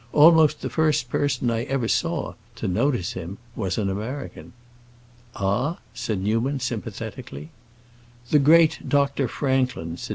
"Almost the first person I ever saw—to notice him—was an American." "Ah?" said Newman, sympathetically. "The great Dr. Franklin," said M.